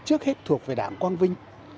mà trước hết thuộc về đảng quang vinh